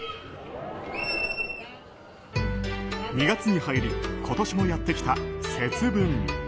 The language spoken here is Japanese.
２月に入り今年もやってきた節分。